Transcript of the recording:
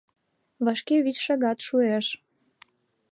Вашке вич шагат шуэш.